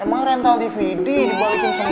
emang rental dvd dibalikin semua